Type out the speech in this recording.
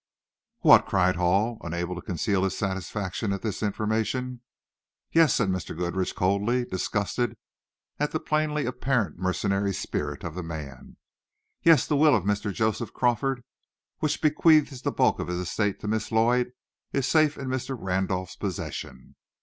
"What?" cried Hall, unable to conceal his satisfaction at this information. "Yes," said Mr. Goodrich coldly, disgusted at the plainly apparent mercenary spirit of the man; "yes, the will of Mr. Joseph Crawford, which bequeaths the bulk of his estate to Miss Lloyd, is safe in Mr. Randolph's possession.